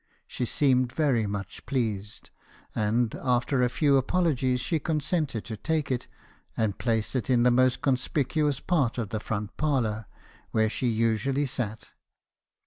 She seemed very much pleased; and, after a few apologies, she consented to take it, and placed it in the most conspicuous part of the front parlour, where she usually sat.